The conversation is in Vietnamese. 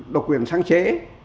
độc quyền sáng chế